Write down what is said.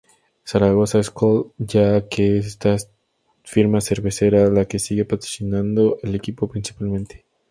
Zaragoza-Skol, ya que es esta firma cervecera la que sigue patrocinando al equipo principalmente.